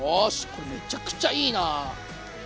これめちゃくちゃいいな。